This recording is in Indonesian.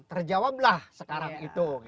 terjawablah sekarang itu